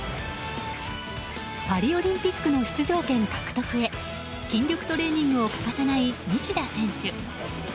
パリオリンピックの出場権獲得へ筋力トレーニングを欠かさない西田選手。